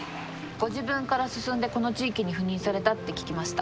ご自分から進んでこの地域に赴任されたって聞きました。